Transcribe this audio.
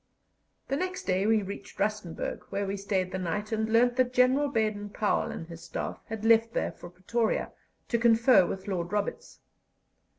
The next day we reached Rustenburg, where we stayed the night, and learnt that General Baden Powell and his Staff had left there for Pretoria, to confer with Lord Roberts.